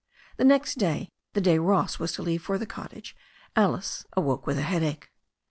The next day, the day Ross was to leave for the cottage, Alice awoke with a headache.